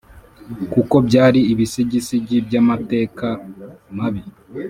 kuko byari ibisigisigi by’amateka mabi